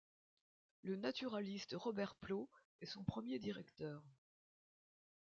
Le naturaliste Robert Plot est son premier directeur.